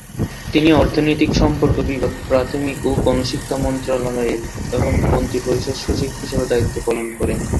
তিনি অর্থনৈতিক সম্পর্ক বিভাগ, প্রাথমিক ও গণশিক্ষা মন্ত্রণালয়ের এবং মন্ত্রিপরিষদ সচিব হিসেবে দায়িত্ব পালন করেন।